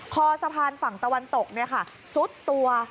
คอสะพานฝั่งตะวันตกซุดตัว